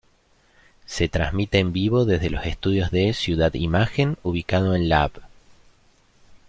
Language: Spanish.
Se transmite en vivo desde los estudios de "Ciudad Imagen" ubicado en la Av.